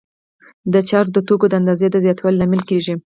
دا چاره د توکو د اندازې د زیاتوالي لامل کېږي